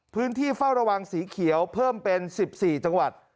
เฝ้าระวังสีเขียวเพิ่มเป็น๑๔จังหวัด